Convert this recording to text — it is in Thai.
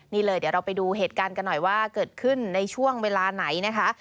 นี่เลยเดี๋ยวเราไปดูเหตุการณ์กันหน่อยว่าเกิดขึ้นในช่วงเวลาไหนนะคะ